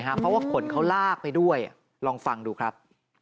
เพราะว่าขนเขาลากไปด้วยลองฟังดูครับ